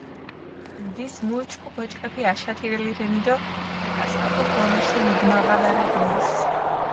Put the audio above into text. ნდის მუ უჩქუ ბოჭკეფი აშათირელი რენი დო ქუმკასხაპუ ღონეში მიდმაღალარი ღვინს.